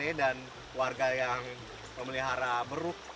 ya one dan warga yang memelihara beruk